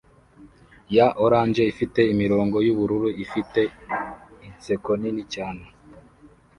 ya orange ifite imirongo yubururu afite inseko nini cyane